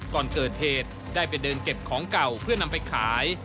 ก่อนเกิดเหตุได้ไปเดินเก็บของเก่าเพื่อนำไปขาย